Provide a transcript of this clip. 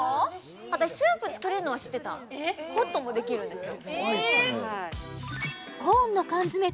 私スープ作れるのは知ってたホットもできるんですよ